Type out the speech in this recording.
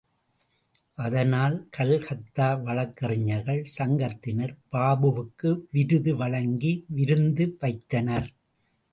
அதனால், கல்கத்தா வழக்கறிஞர்கள் சங்கத்தினர் பாபுவுக்கு விருது வழங்கி விருந்து வைத்தனர்.